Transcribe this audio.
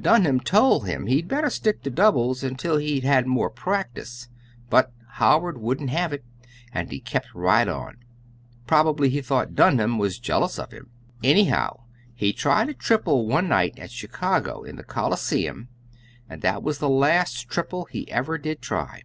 Dunham told him he'd better stick to doubles until he'd had more practice, but Howard wouldn't have it, and he kept right on. Prob'ly he thought Dunham was jealous of him. Anyhow, he tried a triple one night at Chicago, in the Coliseum, and that was the last triple he ever did try.